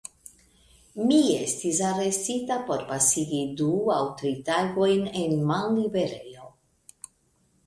Mi estis arestita por pasigi du aŭ tri tagojn en malliberejo.